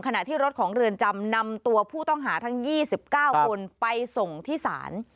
ขณะที่รถของเรือนจำนำตัวผู้ต้องหาทั้ง๒๙คนไปส่งที่ศาล